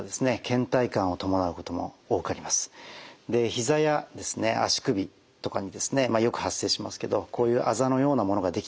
膝や足首とかにですねよく発生しますけどこういうあざのようなものができたらですね